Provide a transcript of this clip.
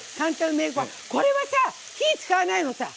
これはさ、火を使わないのさ。